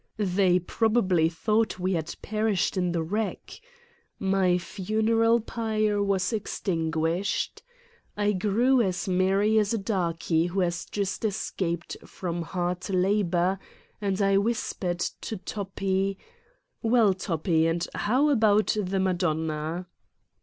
They probably thought we had perished in the wreck. My funeral pyre was extinguished. I grew as merry as a darkey who has just escaped from hard labor and I whispered to Toppi : "Well, Toppi, and how about the Madonna?"